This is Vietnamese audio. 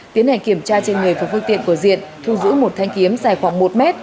tiến hành kiểm tra trên người và phương tiện của diện thu giữ một thanh kiếm dài khoảng một m